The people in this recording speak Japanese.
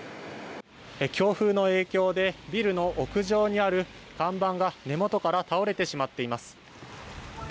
強風の影響でビルの屋上にある看板が根元から倒れてしまっています。